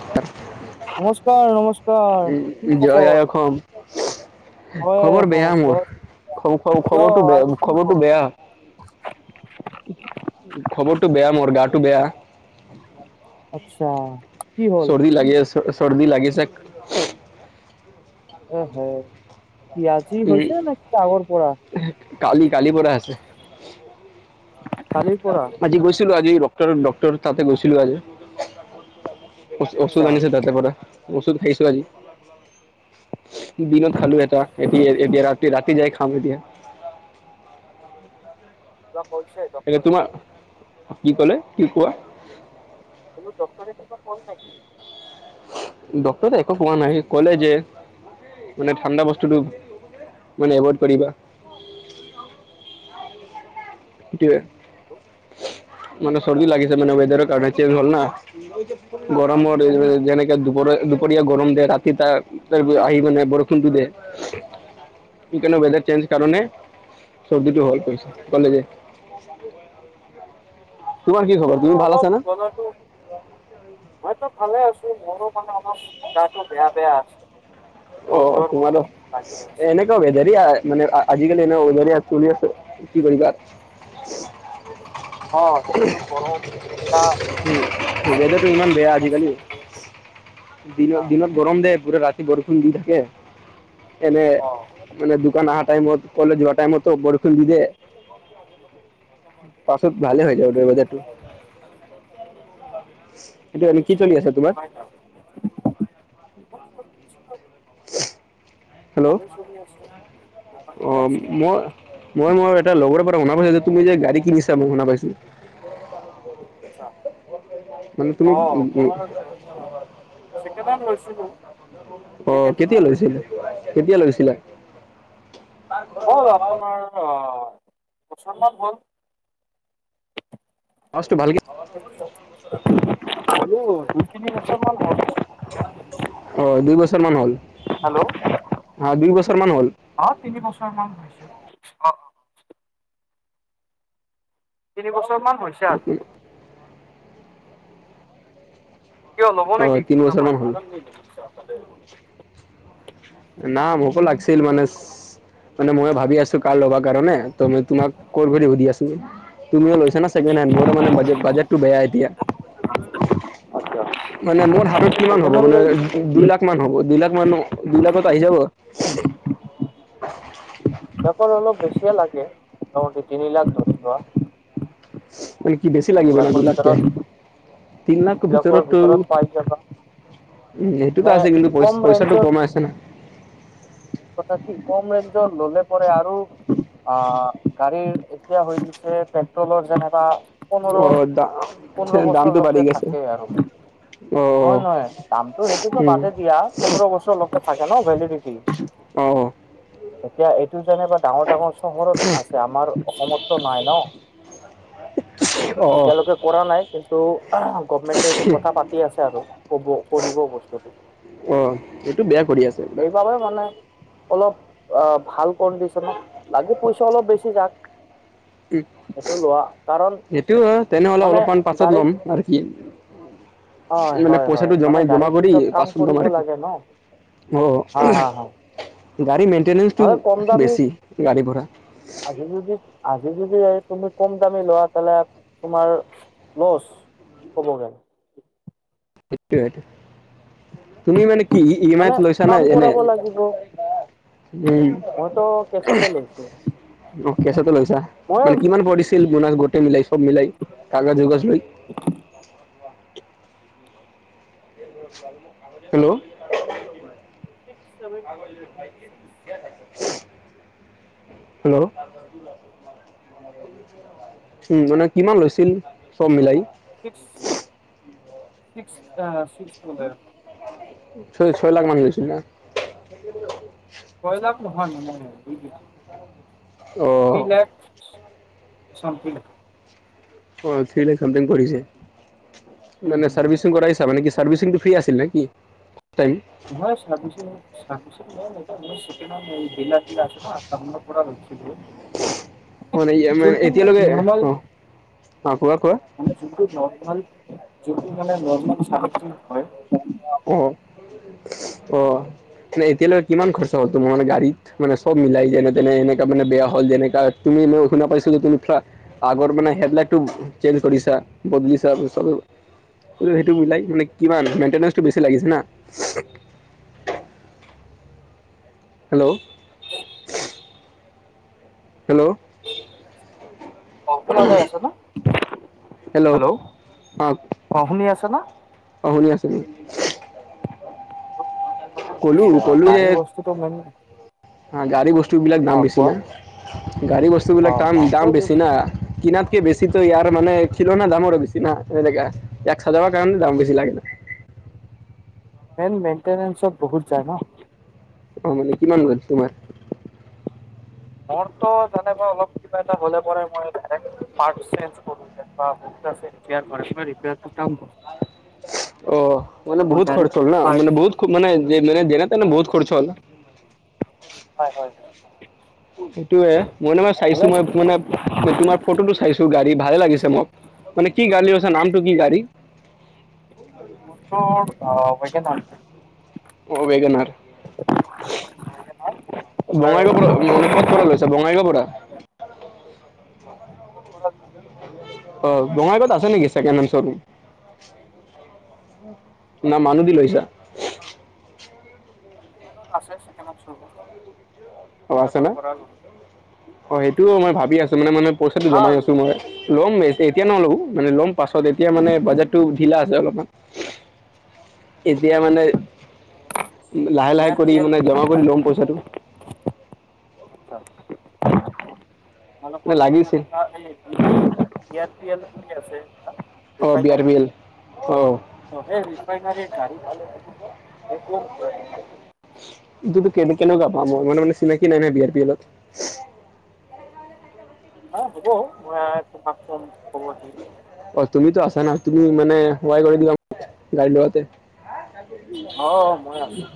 [unintelligible] নমস্কাৰ নমস্কাৰ উম, কি জয় খবৰ? আই অসম জয় খবৰ অসম বেয়া জয় মোৰ। খ খ কিয় খবৰটো বেয়া আৰু কি খবৰটো বেয়া। খবৰটো বেয়া মোৰ গাটো বেয়া। [unintelligible] আৎচ্ছা। ছৰ দি লাগি আছে চৰদি লাগেছেক। এ হে কি আজি হৈছে নে কি আগৰ পৰা। এহে কালি কালিৰ পৰা আছে। কালিৰ পৰা। আজি গৈছিলো আজি ডক্টৰ ডক্টৰৰ তাতে গৈছিলো আজি। ঔষুধ আচ্ছা আনিছে তাতে পৰা ঔষুধ খাইছো আজি। দিনত খালো এ- টা এতিয়া এতিয়া ৰাতি ৰাতি যাই খাম এতিয়া। কিৱা কৰছে? এতিয়া তোমাৰ- কি ক'লে, কি কোৱা। তুমি ডক্টৰে কিবা কয় নেকি? ডক্টৰ একো কোৱা নাই। কলে যে, মানে ঠাণ্ডা বস্তুটো মানে এভইড কৰিবা। মানে চৰ্দি লাগিছে মানে ৱেদাৰ কাৰণে চেঞ্জ হল না। গৰমৰ যেনেকে দুপৰীয়া দুপৰীয়া গৰম দে ৰাতি তা আহি মানে বৰষুণটো দে। সেইকানে ৱেদাৰ চেঞ্জ কাৰণে চৰ্দিটো হল কৈছে হলে যে। [unintelligible] তোমাৰ কি খবৰ? অঁ তুমি ভাল অলপ আছা চলপ। [unintelligible] মইতো ভালে আছো মোৰো মানে অলপ গাটো বেয়া বেয়া আছে। অ জ্বৰ জ্বৰ তোমালোক, মোৰো লাগি এ আছে এনেই। সেইটো মেলেৰিৱাৰ মানে আজিকালি এনে মেলেৰীয়া চলি আছে, কি কৰিবা? অঁ সেটো গৰম না। ৱেডাৰটো ইমান বেয়া আজিকালি। আছে দিনত অ দিনত গৰম দে পুৰা ৰাত- বৰষুণ দি থাকে এনে অ মানে দোকান অহা টাইমত- কলেজ যোৱা টাইম তো বৰষুণ দি দিয়ে। [unintelligible] পাছত ভালে হৈ যাব দে বজাৰটো। এতিয়া এইটো এনে কি যদি চলি আছে তোমাৰ? দেখুৱাই [unintelligible] যাওঁ। [unintelligible] ভালে চলি আছে। দোকানতে অ' আছো মই মই মোৰ এটা লগৰ পৰা শুনা পাইছো যে তুমি যে গাড়ী কিনিছা মই শুনা পাইছো। আৎচ্ছা। মানে তুমি উম'। ছেকেণ্ড হেণ্ড লৈছিলোঁ অ এই কেতিয়া কেইদিনমান লৈছিল কেতিয়া লৈছিলা? হ'ল আপোনাৰ বছৰমান হ'ল। আৱাচটো ভালকে হ'লো দুই তিনি বছৰমান হ'ল অহ দুই বছৰ মান হ'ল। হেল্ল' হা দুই বছৰমান হ'ল। অ তিনি বছৰ মান তিনি বছৰ মান হৈছে আৰু। কিয় ল'ব অঁ নেকি তিনি কোনো বাই। বছৰমান হ'ল না মোকো লাগিছিল মানে। মানে মই ভাবি আছো কাৰ ল'বা কাৰণে ত তোমাক ক'ল কৰি সুধি আছিলো। তুমিও লৈছা না ছেকেনহেণ মোৰো মানে বাজ বাজেটটো বেয়া এতিয়া। মানে মোৰ হাতত কিমান ছেকেণ্ড হ'ব হেণ্ড মানে লৈছিলোঁ দুই লাখ। কিমান হ'ব দুই লাখ মান দুই লাখত আহি যাব। বেপাৰ অলপ বেছিয়ে লাগে মোটামুটি তিনি লাখ ধৰি লোৱা। বেছি তিনি লাগিব ন লাখৰ দু লাখকে ভিতৰত তিন লাখ তিনি লাখৰ ভিতৰতো ভিতৰত পাই যাবা উম এইটোতো মানে আছে কিন্তু কম পইচাটো কমাই আছে না। এই কথা কি কম ৰেঞ্জৰ ল'লে পৰে আৰু অ', গাড়ীৰ এতিয়া হৈ গৈছে পেট্ৰলৰ যেনকা পোন্ধৰ অ দা পোন্ধৰ দামটো বাঢ়ি বছৰলৈকে গৈছে থাকেই আৰু অ নহয় নহয় দাম ত সেইটোতো উম বাদে দিয়া পোন্ধৰ বছৰ লোক থাকে ন ভেলিডিটি। অ এতিয়া এইটো যেনেকে ডাঙৰ ডাঙৰ চহৰত আছে। আমাৰ অসমত নাই ন। অ অ এতিয়ালৈকে কৰা নাই। কিন্তু গভমেন্টে এইটো কথা পাতি আছে আৰু ক'ব কৰিব। বস্তুটো অ', এইটো বেয়া কৰি আছে কিবা সেইবাবে মানে অলপ অ', ভাল কল দিছে লাগিলে পইচা অলপ বেছি যাক। উ সেইটো লোৱা কাৰণ সেইটো হয় তেনেহলে মানে অলপমান পাছত গাড়ীত লম আৰু কি। অ মানে হয় হয় পইচাটো মানে জমাই জমা গাড়ীৰ পিছত কাম কৰিব কৰিলোঁ লাগে ন [inaudible] অ'। হা হা হা গাড়ী মেইনটেনেন্সটো নহলে কম দামী বেছি গাড়ী পৰা আজি যদি আজি যদি এই তুমি কম দামী লোৱা তেনে তোমাৰ লচ হ'ব জানো। সেইটোয়ে সেইটোয়ে। তুমি মানে কি ই এম আই ত মানে লৈছা কাম নাই এনে? কৰাব লাগিব উম মইতো কেচকে লৈছোঁ। অ', কেচতে লৈছা মানে কিমান পৰিছিল। গোটেই মিলাই চব মিলাই কাগজ যোগজ লৈ। [inaudible] হেল্ল'। হেল্ল। [unintelligible] ছিক্স চেভেনটি উম মানে কিমান লৈছিল চব মিলাই। [unintelligible] ছয় ছয় লাখ মান গৈছিল না। [inaudible] [unintelligible] অ [unintelligible] অ' থ্ৰীৰে কমপ্লেইন কৰিছে মানে চাৰ্ভিচিং কৰাইছ তাৰমানে মানে কি চাৰ্ভিচিংটো ফ্ৰী আছিল নে কি তাই হয় ছাৰ্ভিচিং [unintelligible] ম মানে য়েমাই এতিয়ালৈকে অ' অ কোৱা কোৱা। মান যোনটো নৰ্মল যটো মানে নৰ্মল ছাৰ্ভিচিং হয়। অ' অ' মানে এতিয়ালৈকে কিমান খৰচা হ'ল তোমাৰ মানে গাড়ী মানে চব মিলাই যেনে তেনে এনেকা মানে বেয়া হ'ল যেনেকা তুমি এনেও শুনা পাইছা যে তুমি আগৰ মানে হেড লাইটটো চেঞ্জ কৰিছা বদলিচা সেইটো মিলাই মানে কিমান মেইনটেনেটো বেছি লাগিছে না। [unintelligible] হেল্ল হেল্ল অ'শুনা পাই আছে ন হেল্ল অ অ', শুনি আছে ন? অ শুনি আছোঁ মই ক'লো কিয়া তাৰে বস্তুটো ইমান হা গাড়ী বস্তুবিলাক দাম বেছি না গাড়ী অ বস্তুবিলাক তাম দামটো দাম বেছি না কিনাত কে বেছি তো ইয়াৰ মানে খিলনা দামৰো বেছি না এনেকা এক হাজাৰৰ কাৰণে দাম বছি লাগে না মেন মেনটেনেন্সত বহুত যায় ন ফৰমেলি কিমান গল তোমাৰ? মৰটো তেনেকা অলপ কিবা এটা হলে পৰে মই ডাইৰেক্ট পাৰ্টচ চেঞ্জ কৰো [unintelligible] অ মানে মই বহুত খৰচ ডাইৰেক্ট হ'ল না মানে পাৰ্ট বহুত মানে মানে যেনে তেনে বহুত খৰচ হ'ল হয় হয় সেইটোয়ে মই না মানে চাইছো মই ভালে মানে মই তোমাৰ ফটোটো চাইছো গাড়ী ভালে লাগিছে মোক মানে কি গাড়ীআছে নামটো কি গাড়ী? মোৰ ৱেগেনাৰ অ' বেগনাৰ। [unintelligible] বঙাইগাঁও পৰা মানে ক'ত পৰা লৈছা বঙাইগাঁও পৰা বঙাইগাঁৱৰ পৰা অ বঙাইগাঁৱত আছে নেকি ছেকেণ্ড হেণ্ড শ্বৰুম? না মানুহ দি লৈছা বঙাইগাঁৱত আছে ছেকেণ্ড হেণ্ড শ্বৰুম অ আছে তেখেতৰ না পৰা ল'লো অ সেইটোও মই ভাবি আছো মানে মান পইচাটো জমাই ভাল আছো মই ল'ম এ এতিয়া নলও মানে ল'ম পাছত এতিয়া মানে বাজেটটো ঢিলা আছে অলপমান এতিয়া মানে লাহে বি লাহে আৰ কৰি পি এল মানে জমা বুলি কৰি আছে ল'ম পইচাটো মানে লাগিছিল [unintelligible] ইয়াত পি এল ঠিকে আছে অ B R refinery B L অ অ সেই ৰিফাইনাৰ গাড়ী পালে বহুত দিয়া তোমাক টো কেনেকৈনো গম পাম মই মানে মানে চিনাকি নাই না বি আৰ পি এলত অ হ'ব মই তোমাকচোন খবৰ দিম অ তুমিতো আছা না তুমি মানে সোহাই কৰি দিবা গাড়ী লোৱাতে অ মই আছোঁ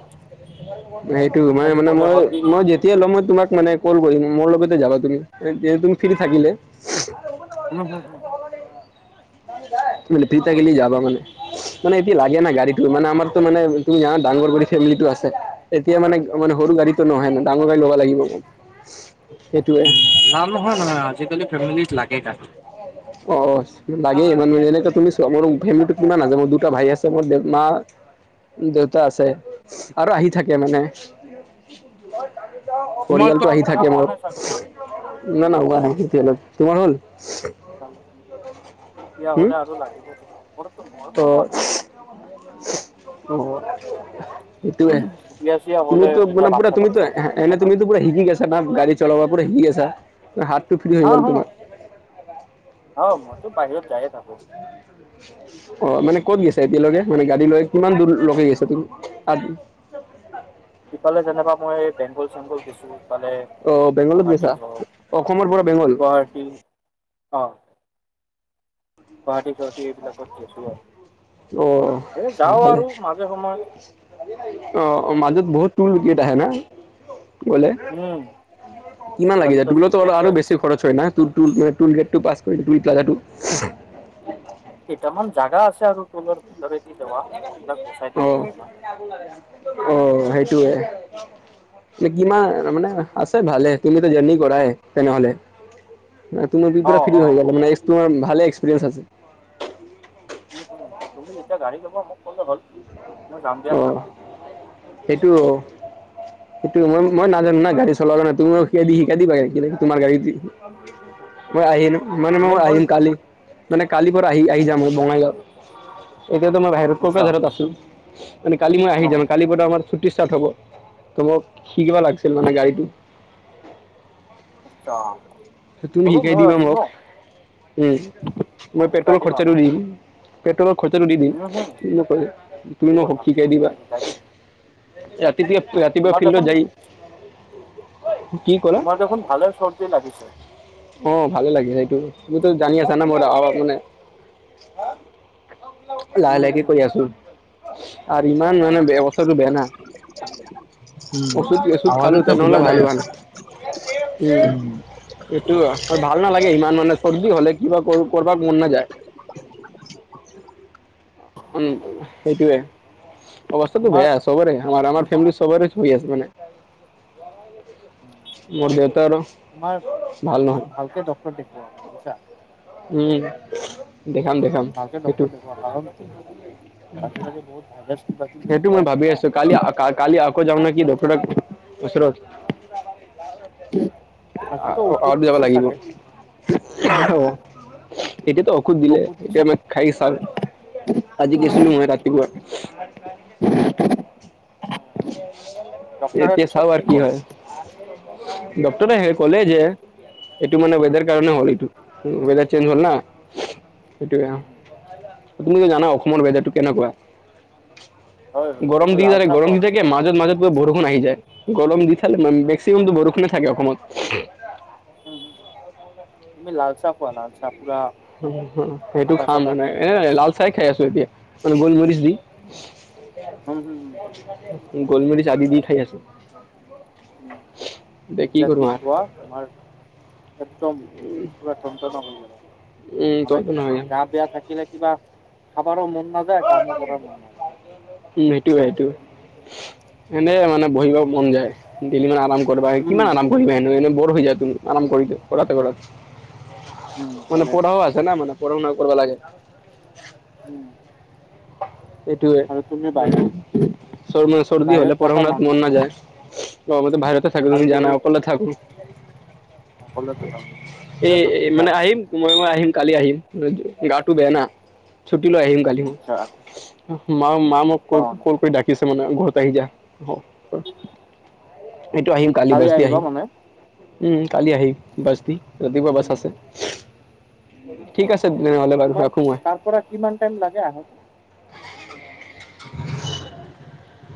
[unintelligible] নাই সেইটো তুমি মানে খালি মানে ক'লে মই হ'ল মই যেতিয়াই লম মই তোমাক মানে কল কৰিম মোৰ লগেতে যাবা তুমি তেতিয়া তুমি ফ্ৰী থাকিলে উম হুম হুম ফ্ৰি থাকিলি যাবা মানে-মানে এতিয়া লাগে না হম। অ গাড়ীটো মানে আমাৰতো মানে তুমি জানা ডাঙৰ কৰি ফেমিলিটো আছে। এতিয়া মানে সৰু গাড়ীটো নহয় মানে ডাঙৰ গাড়ী ল'ব লাগিব মোক। [inaudible] [unintelligible] সেইটোৱে। উম! লাম নহয় আজিকালি ফেমিলিত লাগে কাৰ [unintelligible] অ [inaudible] লাগেই মানে এনেকে তুমি চোৱা মোৰ ফেমিলিটো কিমান আছে মোৰ দুটা ভাই আছে মোৰ দে [inaudible] মা দেউতা আছে আৰু আহি থাকে মানে। তোমাৰতো পৰিয়ালটো আহি বিয়া থাকে হোৱা মোৰ। নাই চাগে? না-না হোৱা নাই এতিয়ালৈ। তোমাৰ হ'ল? [inaudible] মোৰতো হোৱা অঁ! নাই। [inaudible] সেইটোৱে। বিয়া চিয়া হ'লে তুমিতো যেতিয়া মানে পুৰা বাচ্ছা কাচ্ছা তুমিতো হ'ব তেতিয়া এনে তুমিতো লাগে। পুৰা শিকি গৈছা? না গাড়ী চলাব পুৰা শিকি আছা। হাতটো ফ্ৰী হৈ গ'ল তোমাৰ। অ! মইতো বাহিৰত যায়ে থাকো। অ! মানে ক'ত গৈছা এতিয়ালৈকে মানে গাড়ী লৈ কিমান দূৰলৈকে গৈছা তুমি? তাত ইফালে যেনেবা মই বেংগল-চেংগল গৈছোঁ। মানে অ বেংগলত গুৱাহাটী গেছা হওক অসমৰ পৰা বেংগল [inaudible] উম! অঁ! [inaudible] অ! এ যাওঁ ভালে আৰু মাজে সময়ে [inaudible] অ! মাজত বহুত টুলগেট আহে না? [unintelligible] উম কিমান লাগি যায় আজিকালিতো তুমি দূৰলেতো আৰু গেছাই। বেছি খৰচ হয় না টু-টু-টুলগেটো পাছ কৰি প্লিক লাগাটো [unintelligible] কেইটামান জাগা আছে আৰু ট্ৰোলৰ ভিতৰেদি যাৱা সেইবিলাক গুচাই অ দিওঁ কেতিয়াবা। [inaudible] অ সেইটোৱে। কিমান মানে আছে ভালে। তুমিতো জাৰ্ণি কৰাই তেনেহলে? তুমিটো অ পুৰা ফ্ৰি অ হৈ যাব মানে [unintelligible] তোমাৰ ভালে এক্সপিৰিয়েঞ্চ আছে। উম-উম। তুমি যেতিয়া গাড়ী লবা মোক ক'লে হ'ল মই যাম দিয়া। তুমি অঁ সেইটো সেইটো মই-মই নাজানো না গাড়ী চলোৱা কাৰণে তুমি ৰখিয়া দি শিকাই দিবা গাড়ীখনে তোমাৰ গাড়ীতে। [inaudible] মই আহি মানে মই মেইন হ'ল আহিম কালি মানে কালিৰ পৰা আহি-আহি যাম বঙাইগাঁৱত। এতিয়াতো মই বাহিৰত ক'ৰ পৰা উৎসাহ ঘৰত আছোঁ। মানে কালি মই আহি অঁ যাম। কালি পৰা আমাৰ ছুটি ষ্টাৰ্ট হ'ব। তো মোক শিকিব লাগিছিল মানে গাড়ীটো। অঁ। তুমি শিকাই দিবা মোক, উম মই পেট্ৰলৰ খৰচাটো দিম। পেট্ৰলৰ খৰচাটো দি দিম উম, হুম, [unintelligible] তুমি সেইটো ন কথা শিকাই দিবা। মই শিকাই দিম ৰাতি [unintelligible] ৰাতিপুৱা তোমাৰ ফিল্ডত দেখোন যায়। তোমাৰ দেখোন ভালে চৰ্জি লাগিছে? অঁ ভালে লাগে সেইটো। তুমিটো জানি আছা না মোৰ আৱাজ মানে উম লাহে-লাহেকে উম। কৰি আছোঁ। আৰু ইমান মানে বেয়া অৱস্থাটো বেয়া না। উম, ঔষধ-ঔষধ খালো আৱাজতে বুজা তেনেহ'লে যায় ভাল হোৱা আছে নাই। [inaudible] [unintelligible] উম। এইটো ভাল নালাগে ইমান মানে চৰ্দি হলে কিবা কৰিব মন নাযায়। উম সেইটোৱে। অৱস্থাটো তোমাৰ বেয়া চবৰে আমাৰ ফেমেলি চবৰে হৈ আছে মানে। মোৰ বেটাৰ আমাৰ ভাল নহয়। ভালকে ডক্টৰ দেখুৱা বুজিছা? উম দেখাম দেখাম ভালকে সেইটো। ডক্টৰ দেখুৱা কাৰণ আজিকালি বহুত [unintelligible] সেইটো মই আছে ভাবি ন আছো কালি কালি আকৌ যাওঁ নেকি ডক্টৰৰ ওচৰত। আজিতো ঔষধ আৰু যাব দিছে লাগিব। চাগে অ এতিয়াতো ঔষধ দিলে দিছে এতিয়া ন আমাক খাই চাম। আজি গৈছিলো মই ৰাতিপুৱা। ডক্টৰৰ এতিয়া পিছত চাও আৰু কি হয়। ডক্টৰে কলে যে এইটো মানে ৱেডাৰ কাৰণে হ'ল এইটো ৱেডাৰ চেঞ্জ হল না এইটো। কল তুমিতো জানা অসমৰ ৱেডাৰটো তুমি কেনেকুৱা। হয় হয় গৰম তুমি দি লাল থাকে চাহ গৰম খোৱা দি থাকে বঢ়িয়াকে। উম মাজত মাজত বৰষুণ আহি যায়। গৰম দি থাকে মেক্সিমামটো বৰষুণে থাকে অসমত। হুম হুম। তুমি লালচাহ খোৱা লালচাহ পুৰা উম সেইটো আদা খাম চাদা মানে দি এ ইলাইচি লাল চাই খাই আছো এতিয়া মানে গোলমৰিচ দি। হুম হুম হুম। গোলমৰিচ আদি দি খাই আছো। উম', ৰাতিপুৱা তোমাৰ একদম, পোৰা তন্তনা হৈ যাব আৰু মানে তলটো নহয় গা বেয়া থা কিলে কিবা খাবাৰো মন না [unintelligible] উম' এইটো এইটো এনে মানে বহিব মন যায়। দেলি মানে আৰাম কৰিবা উম। কিমান আৰাম কৰিবা হেনো এনে বৰ হৈ যায় তুমি আৰাম কৰিলে কৰোতে কৰোতে। উম মানে ভালে পঢ়াও আছে না মানে পঢ়া শুনাও কৰিব লাগে। [inaudible] এইটোৱে আৰু তুমি মানে বাহিৰত চ মানে চৰ্দি বাহিৰত হলে পঢ়া থাকা শুনাত মন মানুহ নাযায়। মই মানে বাহিৰতে থাকো তুমি জানা, অকলে থাকো। অকলে থাকা তুমি, সেইটোৱেটো দিগদাৰ। মইও আহিম, কালি আহিম, গাটো বেয়া না, ছুটি লৈ আহিম কালি মই। আচ্ছা মাঁ মাঁ মোক অ কল কৰি ডাকিছে মানে, ঘৰত আহি যা। এইটো আহিম, কালি বাছ দি আহিবা আহিম। মানে উম কালি আহিম বাছ দি, ৰাতিপুৱা বাছ উম আছে। ঠিক আছে তেনেহ'লে। বাৰু তোমাৰ ৰাখোঁ মই তাৰ পৰা কিমান টাইম লাগে আহাৰ? [inaudible]